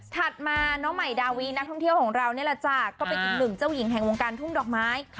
มาน้องใหม่ดาวีนักท่องเที่ยวของเรานี่แหละจ้ะก็เป็นอีกหนึ่งเจ้าหญิงแห่งวงการทุ่งดอกไม้